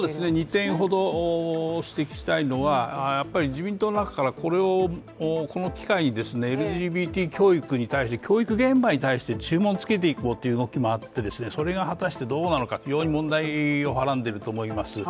２点ほど指摘したいのはやっぱり自民党の中から、これをこの機会にＬＧＢＴ教育に対し教育現場に関して注文をつけていこうという動きもあってそれが果たしてどうなのか非常に問題をはらんでいると思います。